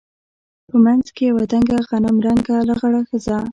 په منځ کښې يوه دنګه غنم رنګه لغړه ښځه.